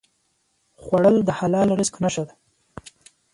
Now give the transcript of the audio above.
خوړل د حلال رزق نښه ده